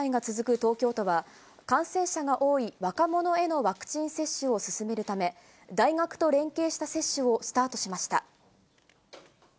東京都は、感染者が多い若者へのワクチン接種を進めるため、大学と連携した接種をスタートしました。